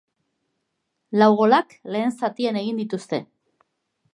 Lau golak lehen zatian egin dituzte.